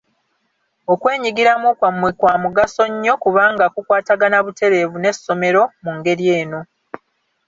Okwenyigiramu kwammwe kwa mugaso nnyo kubanga kukwatagana butereevu n'essomero mu ngeri eno.